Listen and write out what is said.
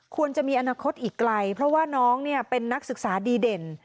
ควรจะมีอนาคตอีกไกลเพราะว่าน้องเป็นนักศึกษาดีเด่น